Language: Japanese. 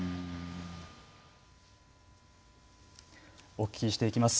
お聞きしていきます。